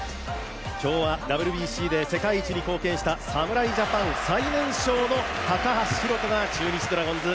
今日はＷＢＣで世界一に貢献した侍ジャパン最年少の高橋宏斗が中日ドラゴンズ